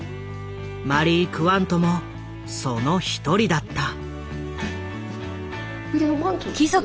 マリー・クワントもその一人だった。